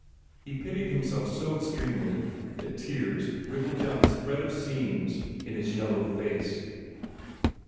He pitied himself so extremely that tears wriggled down the spread of seams in his yellow face.